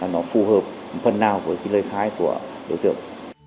nó phù hợp phần nào với cái lời khai của đối tượng